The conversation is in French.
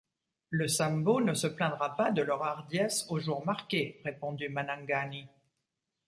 Le Sambo ne se plaindra pas de leur hardiesse au jour marqué, répondit Manangani.